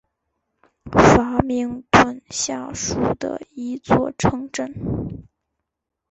法明顿下属的一座城镇。